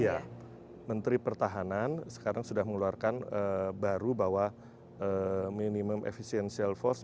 ya menteri pertahanan sekarang sudah mengeluarkan baru bahwa minimum efisiential force